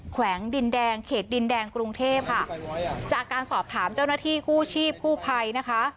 แวงดินแดงเขตดินแดงกรุงเทพค่ะจากการสอบถามเจ้าหน้าที่กู้ชีพกู้ภัยนะคะ